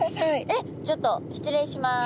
えっちょっと失礼します。